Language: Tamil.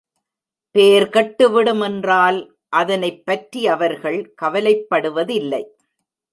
பேர் கெட்டுவிடும் என்றால் அதனைப்பற்றி அவர்கள் கவலைப்படுவதில்லை.